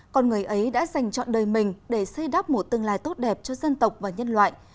con người ấy đã dành chọn đời mình để xây đắp một tương lai tốt đẹp cho dân tộc và nhân loại